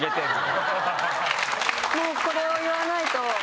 もうこれを言わないと。